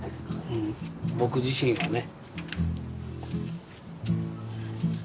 うん僕自身はね。